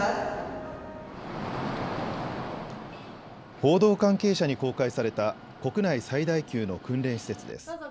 報道関係者に公開された国内最大級の訓練施設です。